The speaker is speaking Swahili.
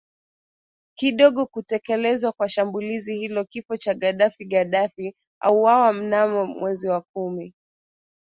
kidogo kutekelezwa kwa shambulizi hilo Kifo cha Gaddafi Gaddafi auawa mnamo mwezi wa kumi